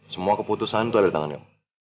semua keputusan itu ada di tanganmu